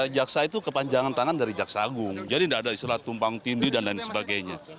jaksa itu kepanjangan tangan dari jaksa agung jadi tidak ada istilah tumpang tindih dan lain sebagainya